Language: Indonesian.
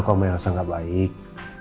hubungan aku sama elsa gak baik